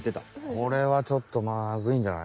これはちょっとまずいんじゃない？